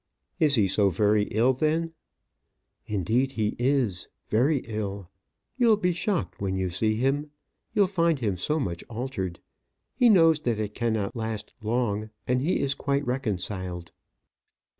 "Is he so very ill, then?" "Indeed he is; very ill. You'll be shocked when you see him: you'll find him so much altered. He knows that it cannot last long, and he is quite reconciled."